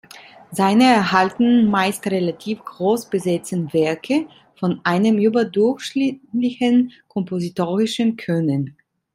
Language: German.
Seine erhaltenen, meist relativ groß besetzten Werke von einem überdurchschnittlichen kompositorischen Können.